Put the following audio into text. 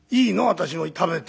私も食べて。